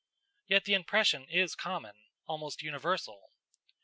Yet the impression is common almost universal.